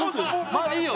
まだいいよ